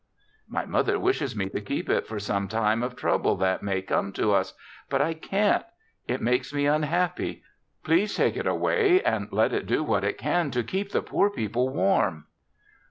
My mother wishes me to keep it for some time of trouble that may come to us, but I can't. It makes me unhappy. Please take it away and let it do what it can to keep the poor people warm."